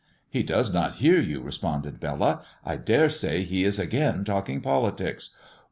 "He does not hear you," responded Bella. "I dare say he is again talking politics."